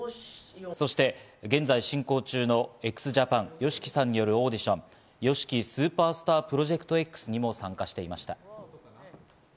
そして現在進行中のＸＪＡＰＡＮのＹＯＳＨＩＫＩさんによるオーディション、「ＹＯＳＨＩＫＩＳＵＰＥＲＳＴＡＲＰＲＯＪＥＣＴＸ」にも参加していました。